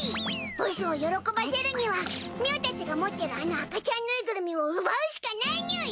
ボスを喜ばせるにはみゅーたちが持ってるあの赤ちゃんぬいぐるみを奪うしかないにゅい！